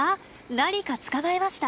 何か捕まえました！